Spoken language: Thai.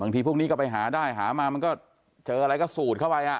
ทีพวกนี้ก็ไปหาได้หามามันก็เจออะไรก็สูดเข้าไป